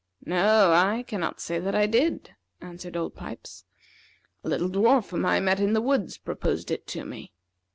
"No, I cannot say that I did," answered Old Pipes. "A little dwarf whom I met in the woods proposed it to me."